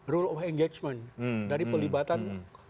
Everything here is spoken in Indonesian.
rule of engagement dari pelibatan